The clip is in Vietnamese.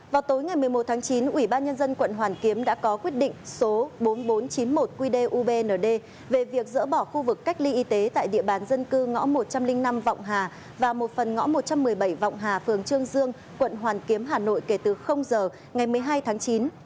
vào tối ngày một mươi một tháng chín ủy ban nhân dân quận hoàn kiếm đã có quyết định số bốn nghìn bốn trăm chín mươi một qdubnd về việc dỡ bỏ khu vực cách ly y tế tại địa bàn dân cư ngõ một trăm linh năm vọng hà và một phần ngõ một trăm một mươi bảy vọng hà phường trương dương quận hoàn kiếm hà nội kể từ giờ ngày một mươi hai tháng chín